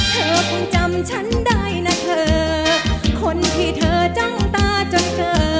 เธอคงจำฉันได้นะเธอคนที่เธอจ้องตาจนเจอ